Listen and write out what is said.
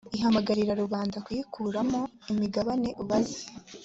ihamagarira rubanda kuyiguramo imigabane usanze